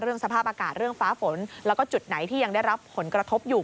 สภาพอากาศเรื่องฟ้าฝนแล้วก็จุดไหนที่ยังได้รับผลกระทบอยู่